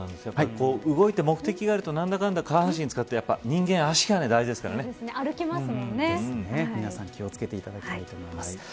動いて目的があるとなんだかんだ、下半身を使って皆さん、気を付けていただきたいと思います。